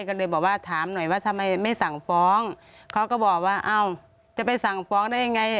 ก็เลยบอกว่าถามหน่อยว่าทำไมไม่สั่งฟ้องเขาก็บอกว่าเอ้าจะไปสั่งฟ้องได้ยังไง